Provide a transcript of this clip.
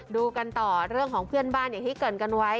ดูกันต่อเรื่องของเพื่อนบ้านอย่างที่เกิดกันไว้